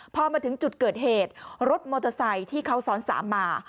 พอมาถึงจุดเกิดเหตุรถมอเตอร์ไซค์ที่เขาซ้อนสามมา